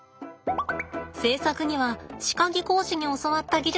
制作には歯科技工士に教わった技術を使います。